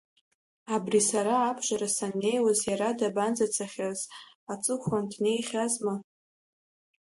Абри сара абжара саннеиуаз, иара дабанӡацахьаз, аҵыхәан днеихьазма?